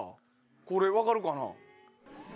これ分かるかな？